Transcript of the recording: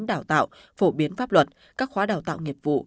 đào tạo phổ biến pháp luật các khóa đào tạo nghiệp vụ